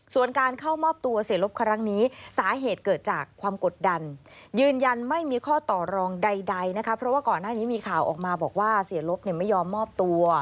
ส่วนการเข้ามอบตัวเสียลบครั้งนี้สาเหตุเกิดจากความกดดันยืนยันไม่มีข้อต่อรองใดนะคะเพราะว่าก่อนหน้านี้มีข่าวออกมาบอกว่าเสียลบไม่ยอมมอบตัว